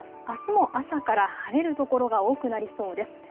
あすも朝から晴れる所が多くなりそうです。